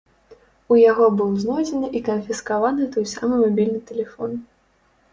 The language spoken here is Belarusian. У яго быў знойдзены і канфіскаваны той самы мабільны тэлефон.